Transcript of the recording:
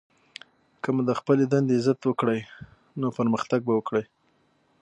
که مو د خپلي دندې عزت وکړئ! نو پرمختګ به وکړئ!